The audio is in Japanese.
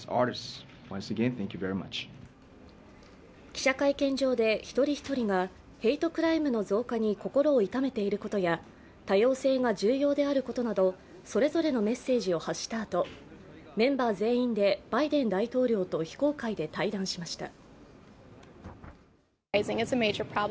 記者会見場で１人１人がヘイトクライムの増加に心を痛めていることや、多様性が重要であることなどそれぞれのメッセージを発したあと、メンバー全員でバイデン大統領と非公開で対談しました。